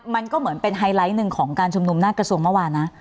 มันก็เหมือนเป็นไฮไลท์หนึ่งของการชุมนุมหน้ากระทรวงเมื่อวานนะ